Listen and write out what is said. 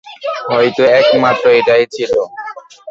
হয়তো একমাত্র এটাই ছিল।